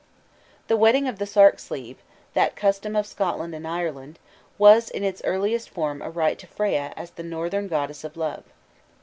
The "wetting of the sark sleeve," that custom of Scotland and Ireland, was in its earliest form a rite to Freya as the northern goddess of love.